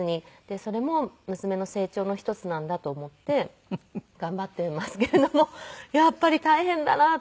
それも娘の成長の一つなんだと思って頑張っていますけれどもやっぱり大変だなと。